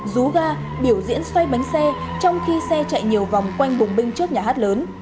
rú ga biểu diễn xoay bánh xe trong khi xe chạy nhiều vòng quanh bồng binh trước nhà hát lớn